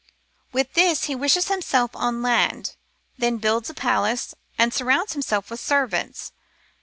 With this he wishes himself on land, then builds a palace, and surrounds himself with servants.